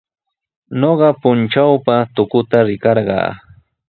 Ñuqa puntrawpa tukuta rikarqaa.